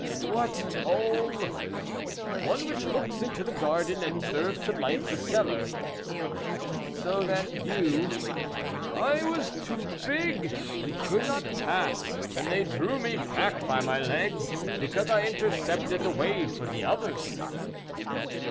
"What hole?" "One which looks into the garden, and serves to light the cellar." "So that you " "I was too big, and could not pass, and they drew me back by my legs, because I intercepted the way for the others."